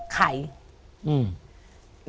ใคร